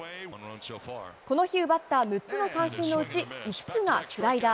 この日奪った６つの三振のうち、５つがスライダー。